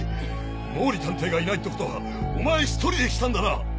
毛利探偵がいないってことはお前１人で来たんだな？